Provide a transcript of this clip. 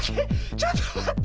ちょっとまって。